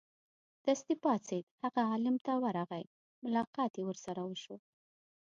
دستې پاڅېد هغه عالم ت ورغی ملاقات یې ورسره وشو.